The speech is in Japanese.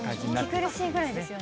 息苦しいぐらいですよね。